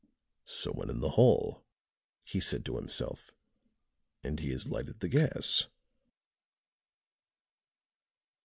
"Some one in the hall," he said to himself, "and he has lighted the gas."